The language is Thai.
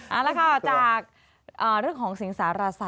เอาล่ะครับจากเรื่องของสีงสารศัทรี่